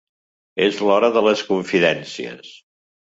És l'hora de les confidències.